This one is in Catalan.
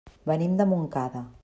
Venim de Montcada.